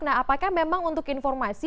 nah apakah memang untuk informasi